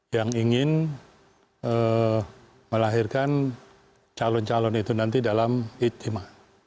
yang ingin melahirkan calon calon itu nanti dalam ijtima